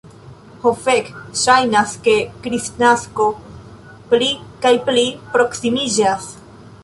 Ho fek, ŝajnas ke Kristnasko pli kaj pli proksimiĝas.